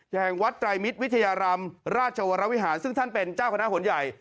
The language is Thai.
แห่งวัดไตรมิตรวิทยารามราชวรวิหารซึ่งท่านเป็นเจ้าคณะหนใหญ่